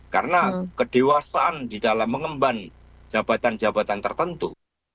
karena kedewasaan di dalam mengemban jabatan jabatan tertentu